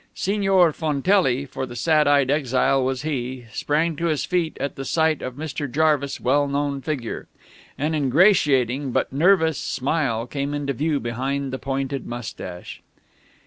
Signor Fontelli, for the sad eyed exile was he, sprang to his feet at the sight of Mr. Jarvis' well known figure. An ingratiating, but nervous, smile came into view behind the pointed mustache.